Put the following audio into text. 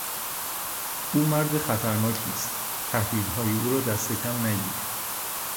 او مرد خطر ناکی است - تهدیدهای او را دست کم نگیر!